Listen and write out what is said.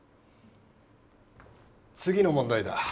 次の問題だ。